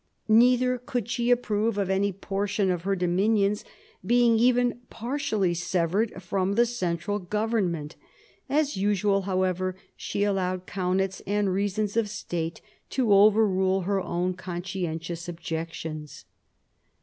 Neither could she approve of any portion of her dominions being even partially severed from the central government. As usual, however, she allowed Kaunitz and reasons of state to overrule her own con scientious objections.